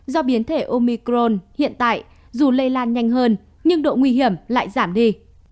do biến thể omicron hiện tại dù lây lan nhanh hơn nhưng độ nguy hiểm lại giảm đi